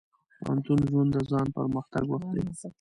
د پوهنتون ژوند د ځان پرمختګ وخت دی.